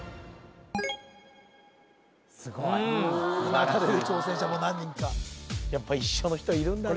すごいうなだれる挑戦者も何人かやっぱ一緒の人いるんだな